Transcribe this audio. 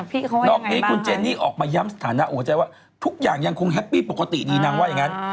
พี่เขาว่ายังไงบ้างนอกที่คุณเจนี่ออกมาย้ำสถานะโอ้วใจว่าทุกอย่างยังคงแฮปปี้ปกติดีนางว่าอย่างงั้น